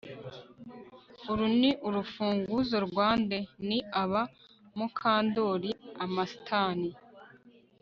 Uru ni urufunguzo rwa nde Ni aba Mukandoli Amastan